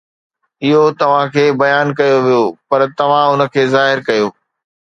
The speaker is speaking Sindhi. اهو توهان کي بيان ڪيو ويو، پر توهان ان کي ظاهر ڪيو.